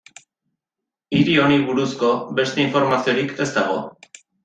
Hiri honi buruzko beste informaziorik ez dago.